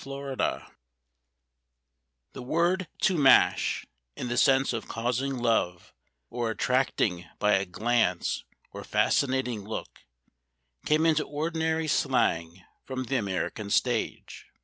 THE MASHER The word to "mash," in the sense of causing love or attracting by a glance or fascinating look, came into ordinary slang from the American stage.